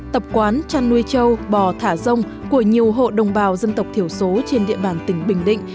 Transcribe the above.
tập quán chăn nuôi châu bò thả rông của nhiều hộ đồng bào dân tộc thiểu số trên địa bàn tỉnh bình định